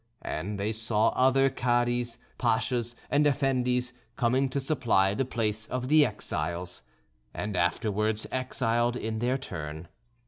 And they saw other Cadis, Pashas, and Effendis coming to supply the place of the exiles, and afterwards exiled in their turn.